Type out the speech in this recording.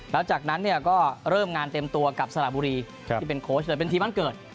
แล้วจากนั้นเนี่ยก็เริ่มงานเต็มตัวกับสระบุรีที่เป็นโค้ชเลยเป็นทีมบ้านเกิด